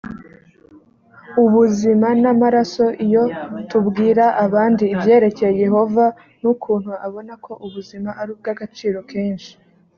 ubuzima n’amaraso iyo tubwira abandi ibyerekeye yehova n’ukuntu abona ko ubuzima ari ubw’agaciro kenshi